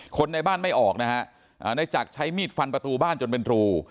คนในบ้านไม่ออกนะฮะในจักรใช้มีดฟันประตูบ้านจนเป็นรู